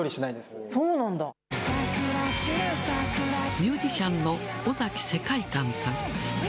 ミュージシャンの尾崎世界観さん。